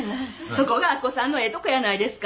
そこが明子さんのええとこやないですか。